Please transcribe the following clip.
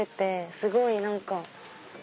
すごい何か。